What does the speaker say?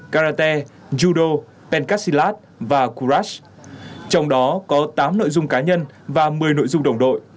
karate judo pencassilat và kurash trong đó có tám nội dung cá nhân và một mươi nội dung đồng đội